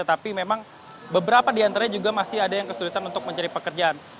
tapi memang beberapa di antaranya juga masih ada yang kesulitan untuk mencari pekerjaan